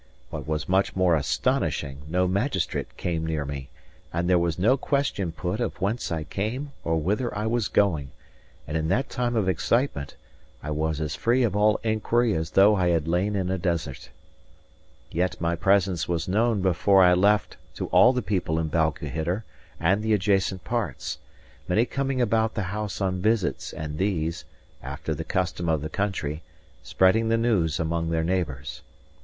What was much more astonishing, no magistrate came near me, and there was no question put of whence I came or whither I was going; and in that time of excitement, I was as free of all inquiry as though I had lain in a desert. Yet my presence was known before I left to all the people in Balquhidder and the adjacent parts; many coming about the house on visits and these (after the custom of the country) spreading the news among their neighbours.